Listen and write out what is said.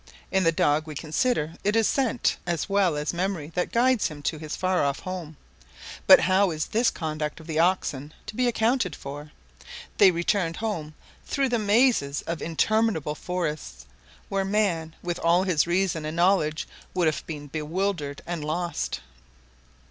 In the dog we consider it is scent as well as memory that guides him to his far off home; but how is this conduct of the oxen to be accounted for? They returned home through the mazes of interminable forests, where man, with all his reason and knowledge, would have been bewildered and lost.